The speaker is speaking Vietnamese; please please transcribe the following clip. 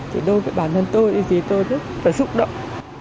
đối với bản thân tôi thì tôi rất là rụng động